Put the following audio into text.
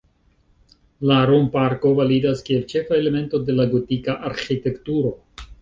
La romp-arko validas kiel ĉefa elemento de la gotika arĥitekturo.